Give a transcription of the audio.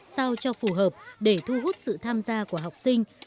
sao cho phù hợp để thu hút sự tham gia của học sinh